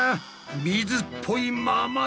水っぽいままだ。